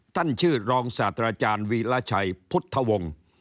ท่านชื่อรองศาสตราจารย์วีรชัยพุทธวงศ์